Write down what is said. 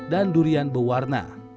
dan durian berwarna